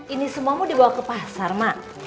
ini semua mau dibawa ke pasar mak